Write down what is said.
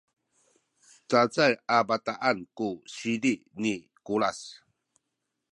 cacay a bataan ku sizi ni Kulas